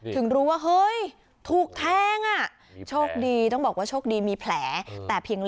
ถึงรู้ว่าเฮ้ยถูกแทงอ่ะโอ้โหมีแผล